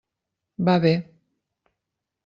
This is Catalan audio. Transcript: Va bé.